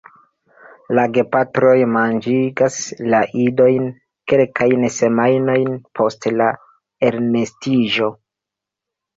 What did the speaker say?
La gepatroj manĝigas la idojn kelkajn semajnojn post la elnestiĝo.